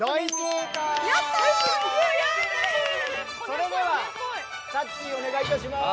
それではさっちーお願いいたします！